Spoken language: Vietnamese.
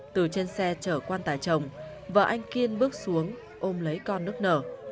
từ trên xe chở quan tài chồng vợ anh kiên bước xuống ôm lấy con nước nở